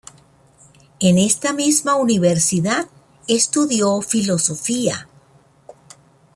En esta misma universidad estudió Filosofía.